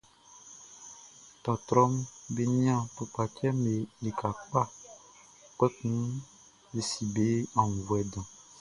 Dɔɔtrɔʼm be nian tukpacifuɛʼm be lika kpa, kpɛkun be si be aunnvuɛ dan.